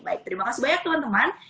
baik terima kasih banyak teman teman